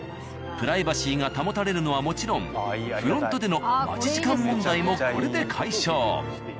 プライバシーが保たれるのはもちろんフロントでの待ち時間問題もこれで解消。